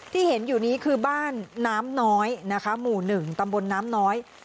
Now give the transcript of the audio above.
ที่เห็นอยู่นี้คือบ้านน้ำน้อยนะคะหมู่๑ตำบลน้ำน้อย